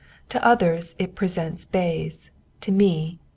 To others it presents bays, to me beans.